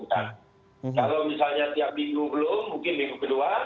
kalau misalnya tiap minggu belum mungkin minggu kedua